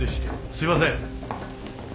すいません。